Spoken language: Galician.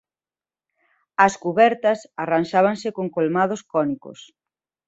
As cubertas arranxábanse con colmados cónicos.